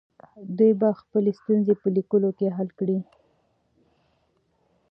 دوی به خپلې ستونزې په لیکلو کې حل کړي.